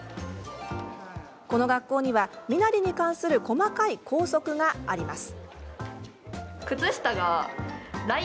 この学校には、身なりに関する細かい校則があります。